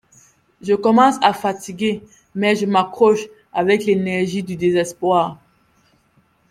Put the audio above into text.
Je commence à fatiguer mais je m’accroche avec l’énergie du désespoir.